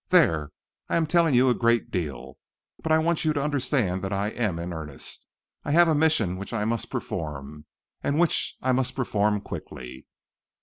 There! I am telling you a great deal, but I want you to understand that I am in earnest. I have a mission which I must perform, and which I must perform quickly."